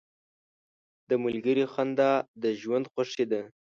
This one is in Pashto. • د ملګري خندا د ژوند خوښي ده.